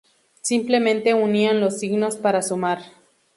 Simplemente unían los signos para sumar.